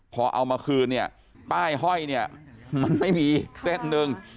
พอเอามาคืนเนี่ยป้ายห้อยเนี่ยมันไม่มีเส้นหนึ่ง